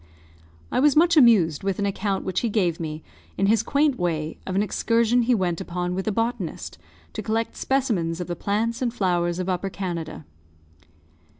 I was much amused with an account which he gave me, in his quaint way, of an excursion he went upon with a botanist, to collect specimens of the plants and flowers of Upper Canada.